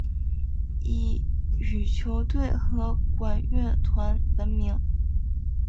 以羽球队和管乐团闻名。